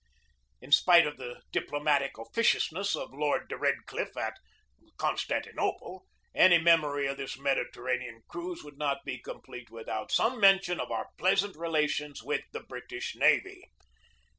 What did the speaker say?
In spite of the diplomatic officiousness of Lord de Redcliffe at Constantinople, any memory of this Mediterranean cruise would not be complete with out some mention of our pleasant relations with the British Navy.